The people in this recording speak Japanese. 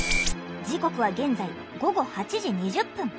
時刻は現在午後８時２０分。